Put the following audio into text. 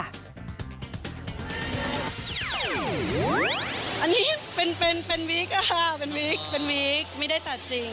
อันนี้เป็นวิกอ่ะค่ะเป็นวิกไม่ได้ตัดจริง